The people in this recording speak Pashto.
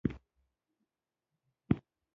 د دې دوو منطقونو په منځ کې آخرت لومړۍ درجه لري.